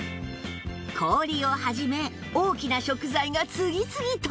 氷を始め大きな食材が次々と！